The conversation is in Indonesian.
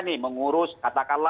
terdapat perintah untuk harga harga